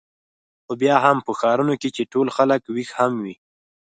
خو بیا هم په ښارونو کې چې ټول خلک وېښ هم وي.